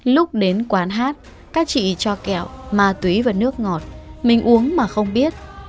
lúc đến quán hát các chị cho kẹo ma túy và nước ngọt mình uống mà không biết